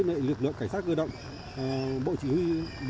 lực lượng cảnh sát cơ động bộ chỉ huy